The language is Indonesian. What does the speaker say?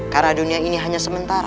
karena dunia ini hanya sementara